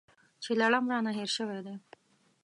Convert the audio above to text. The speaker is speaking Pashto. چې لړم رانه هېر شوی دی .